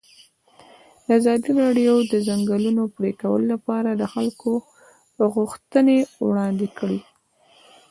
ازادي راډیو د د ځنګلونو پرېکول لپاره د خلکو غوښتنې وړاندې کړي.